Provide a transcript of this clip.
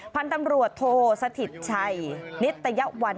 พันธุ์ตำรวจโทสถิตชัยนิตยวัล